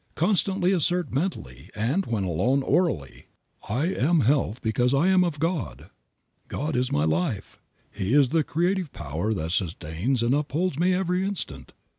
Constantly assert mentally, and, when alone, orally, "I am health because I am of God. God is my life, He is the great creative Power that sustains and upholds me every instant.